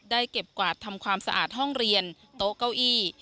เก็บกวาดทำความสะอาดห้องเรียนโต๊ะเก้าอี้